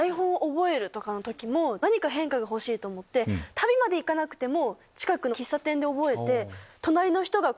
旅までいかなくても。